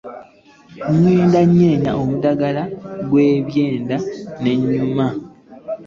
N'egenda enyenya omudaala gw'ebyenda n'enyamma .